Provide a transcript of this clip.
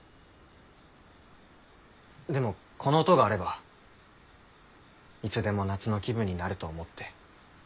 でもこの音があればいつでも夏の気分になると思って。